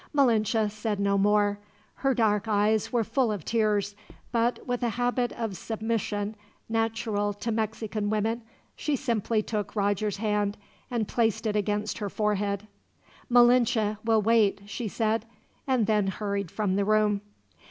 Malinche said no more. Her dark eyes were full of tears, but with the habit of submission natural to Mexican women, she simply took Roger's hand and placed it against her forehead. "Malinche will wait," she said, and then hurried from the room.